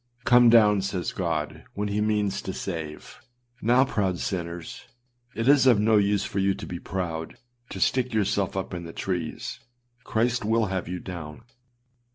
âCome down,â says God, when he means to save. Now, proud sinners, it is of no use for you to be proud, to stick yourselves up in the trees; Christ will have you down.